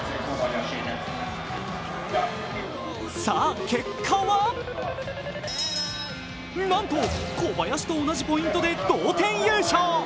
さあ、結果はなんと小林と同じポイントで同点優勝。